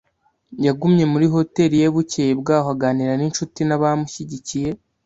Yagumye muri hoteri ye bukeye bwaho, aganira n'inshuti n'abamushyigikiye